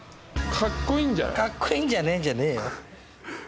「かっこいいんじゃない？」じゃねえよ。